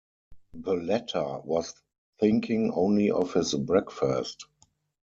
The latter was thinking only of his breakfast.